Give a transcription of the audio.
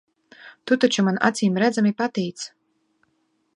Tu taču man acīmredzami patīc.